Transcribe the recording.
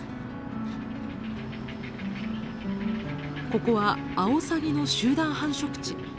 ここはアオサギの集団繁殖地。